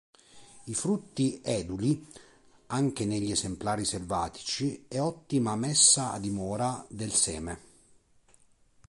I frutti eduli, anche negli esemplari selvatici, e ottima messa a dimora del seme.